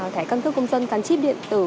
thẻ căn cấp công dân gắn chip điện tử